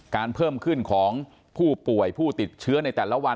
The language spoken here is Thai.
เพิ่มขึ้นของผู้ป่วยผู้ติดเชื้อในแต่ละวัน